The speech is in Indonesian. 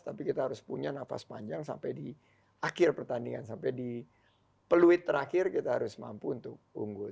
tapi kita harus punya nafas panjang sampai di akhir pertandingan sampai di peluit terakhir kita harus mampu untuk unggul